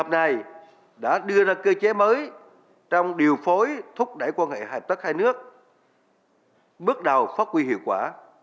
như là cơ chế mới trong điều phối thúc đẩy quan hệ hợp tác hai nước bước đầu phát huy hiệu quả